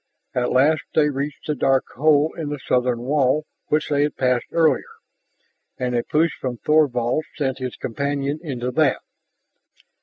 At last they reached the dark hole in the southern wall which they had passed earlier. And a push from Thorvald sent his companion into that.